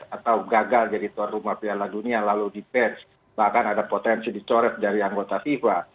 atau gagal jadi tuan rumah piala dunia lalu di pers bahkan ada potensi dicoret dari anggota fifa